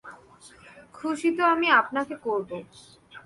খুশি তো আমি আপনাকে করবো।